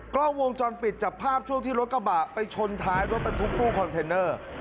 กล้องวงจรปิดจับภาพช่วงที่รถกระบะไปชนท้ายรถบรรทุกตู้คอนเทนเนอร์